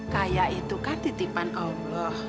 kaya itu kan titipan allah